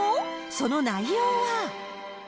その内容は。